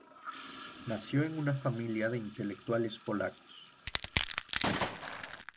Nació en una familia de intelectuales polacos.